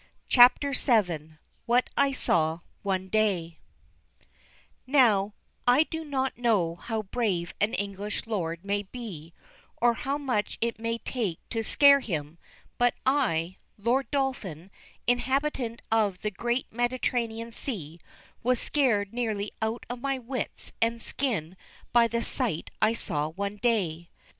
CHAPTER VII. WHAT I SAW ONE DAY Now I do not know how brave an English lord may be or how much it may take to scare him, but I, Lord Dolphin, inhabitant of the great Mediterranean Sea, was scared nearly out of my wits and skin by the sight I saw one day.